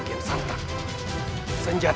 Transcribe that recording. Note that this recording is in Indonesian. kita akan jahat